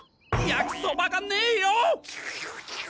焼きそばがねえよ！